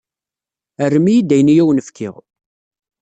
Rrem-iyi-d ayen i awen-n-fkiɣ.